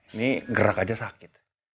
ini gerak aja sakit